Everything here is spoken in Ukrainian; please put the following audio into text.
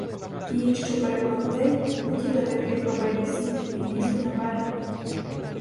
Ті, що перепливли, хотіли таки пробитися і лізти на берег.